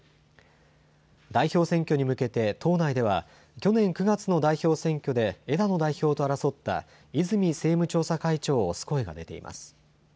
代表選挙に向けて党内では、去年９月の代表選挙で枝野代表と争った泉政務調査会長を推す声が出ています。